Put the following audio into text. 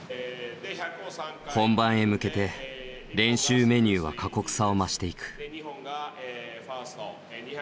本番へ向けて練習メニューは過酷さを増していく。